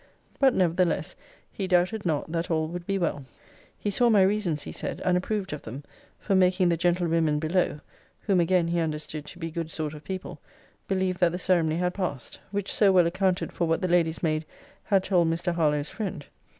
But, nevertheless, he doubted not that all would be well. He saw my reasons, he said, and approved of them, for making the gentlewomen below [whom again he understood to be good sort of people] believe that the ceremony had passed; which so well accounted for what the lady's maid had told Mr. Harlowe's friend.